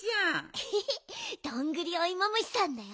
エヘヘどんぐりおいも虫さんだよ。